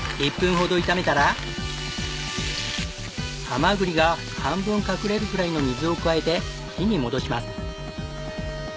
ハマグリが半分隠れるくらいの水を加えて火に戻します。